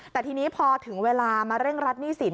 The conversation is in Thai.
แต่ทีนี้พอถึงเวลามาเร่งรัดหนี้สิน